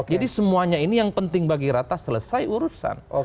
jadi semuanya ini yang penting bagi rata selesai urusan